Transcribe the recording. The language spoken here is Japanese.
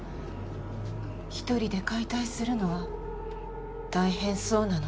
１人で解体するのは大変そうなので。